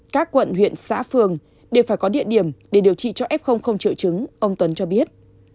các quận huyện xã phường đều phải có địa điểm để điều trị cho f không triệu chứng ông tuấn cho biết